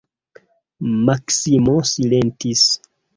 Maksimo silentis.